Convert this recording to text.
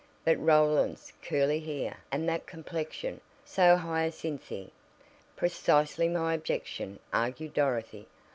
"But Roland's curly hair! And that complexion so hyacinthy." "Precisely my objection," argued Dorothy.